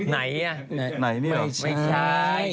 ไหนอะไม่ใช่